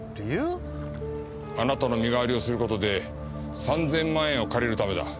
あなたの身代わりをする事で３千万円を借りるためだ。